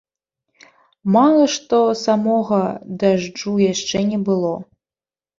Мала што самога дажджу яшчэ не было!